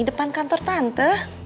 depan kantor tante